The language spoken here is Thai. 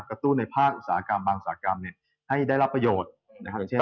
กระตุ้นในภาคอุตสาหกรรมบางศาสตร์กรรมให้ได้รับประโยชน์